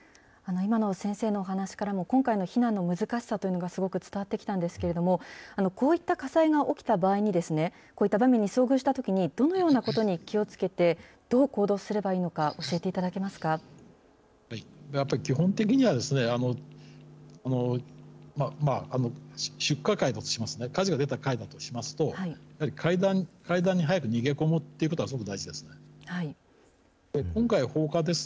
今の先生のお話からも、今回の避難の難しさというのがすごく伝わってきたんですけれども、こういった火災が起きた場合に、こういった場面に遭遇したときに、どのようなことに気をつけて、どう行動すればいいのか、教えていやっぱり、基本的には出火階だとしますね、火事が出た階だとしますと、やはり階段に早く逃げ込むということがすごく大事です。